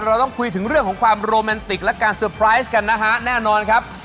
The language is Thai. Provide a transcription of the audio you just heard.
เราต้องคุยถึงเรื่องของความโรแมนติกและการเตอร์ไพรส์กันนะฮะแน่นอนครับ